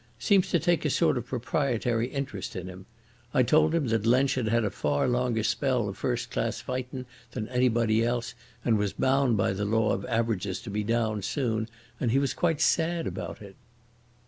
Seems to take a sort of proprietary interest in him. I told him Lensch had had a far longer spell of first class fightin' than anybody else and was bound by the law of averages to be downed soon, and he was quite sad about it."